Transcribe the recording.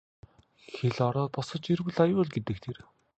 Хэл ороод босож ирвэл аюул гэдэг тэр.